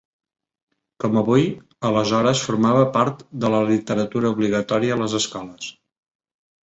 Com avui, aleshores formava part de la literatura obligatòria a les escoles.